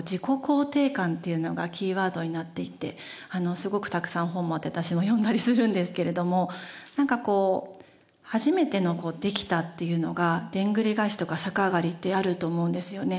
すごくたくさん本もあって私も読んだりするんですけれどもなんかこう初めての「できた」っていうのがでんぐり返しとか逆上がりってあると思うんですよね。